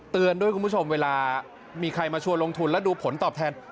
ด้วยคุณผู้ชมเวลามีใครมาชวนลงทุนและดูผลตอบแทน